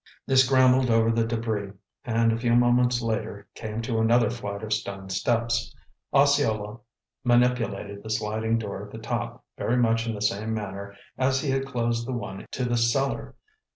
They scrambled over the debris and a few moments later came to another flight of stone steps. Osceola manipulated the sliding door at the top very much in the same manner as he had closed the one to the cellar.